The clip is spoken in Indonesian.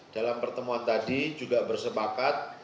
dalam pertemuan tadi juga bersepakat